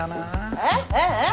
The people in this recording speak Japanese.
えっ？えっ？